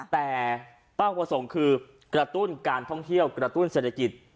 แต่เป้าประสงค์คือกระตุ้นการท่องเที่ยวกระตุ้นเศรษฐกิจ